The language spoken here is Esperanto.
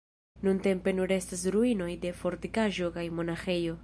Nuntempe nur restas ruinoj de fortikaĵo kaj monaĥejo.